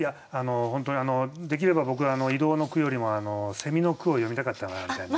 本当にできれば僕は移動の句よりもの句を詠みたかったなみたいな。